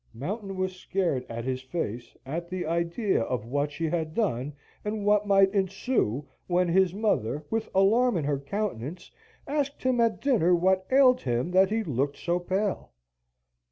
Mountain was scared at his face, at the idea of what she had done, and what might ensue. When his mother, with alarm in her countenance, asked him at dinner what ailed him that he looked so pale?